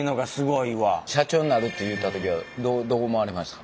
社長になるって言うた時はどう思われましたか？